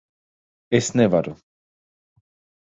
Es nevaru.